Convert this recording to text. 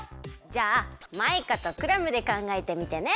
じゃあマイカとクラムでかんがえてみてね。